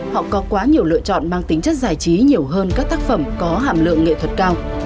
họ có quá nhiều lựa chọn mang tính chất giải trí nhiều hơn các tác phẩm có hàm lượng nghệ thuật cao